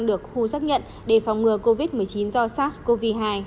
được khu xác nhận để phòng ngừa covid một mươi chín do sars cov hai